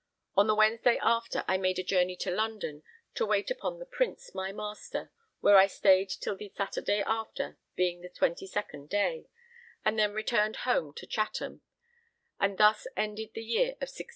On the Wednesday after I made a journey to London to wait upon the Prince, my master, where I stayed till the Saturday after, being the 22nd day, and then returned home to Chatham; and thus ended the year of 1610.